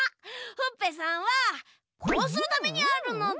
ほっぺさんはこうするためにあるのだ！